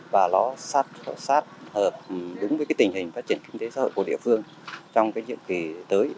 và nó sát hợp đúng với cái tình hình phát triển kinh tế xã hội của địa phương trong cái nhiệm kỳ tới